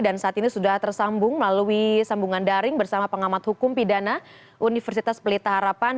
dan saat ini sudah tersambung melalui sambungan daring bersama pengamat hukum pidana universitas pelita harapan